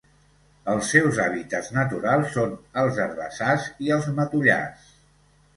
Els seus hàbitats naturals són els herbassars i els matollars.